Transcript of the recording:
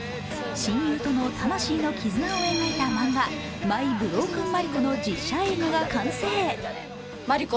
親友との魂の絆を描いた漫画、「マイ・ブロークン・マリコ」の実写映画が完成。